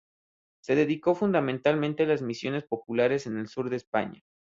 Se dedicó fundamentalmente a las misiones populares en el sur de España.